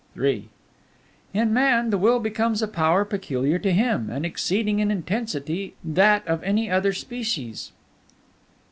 III In Man the Will becomes a power peculiar to him, and exceeding in intensity that of any other species.